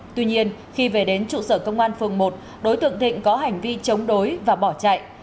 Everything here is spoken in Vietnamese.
tuy nhiên khi về đến trụ sở công an phường một đối tượng thịnh có hành vi chống đối và bỏ chạy